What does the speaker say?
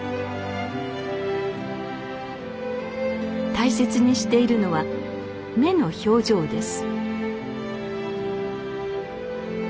大切にしているのは目の表情です